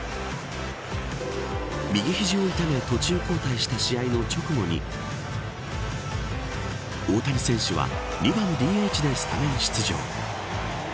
右肘を痛め途中交代した試合の直後に大谷選手は２番ＤＨでスタメン出場。